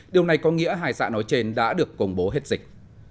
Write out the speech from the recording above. điều này có nghĩa hai xã nói trên đã được công bố hết dịch